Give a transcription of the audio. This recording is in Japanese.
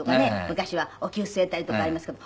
昔はお灸据えたりとかありますけど。